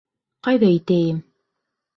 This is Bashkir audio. Ҡайҙа итәйем?